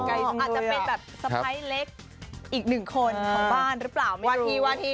อาจจะเป็นแบบสะพ้ายเล็กอีกหนึ่งคนของบ้านหรือเปล่า